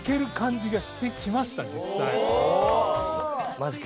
マジか。